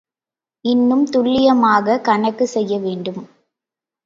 இன்னும் துல்லியமாகக் கணக்குச் செய்யவேண்டும்.